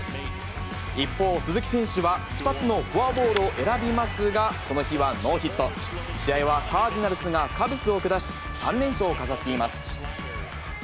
一方、鈴木選手は２つのフォアボールを選びますが、この日はノーヒット。試合はカージナルスがカブスを下し、３連勝を飾っています。